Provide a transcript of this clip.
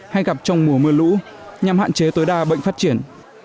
hay gặp trong mùa mưa lũ nhằm hạn chế tối đa bệnh phát triển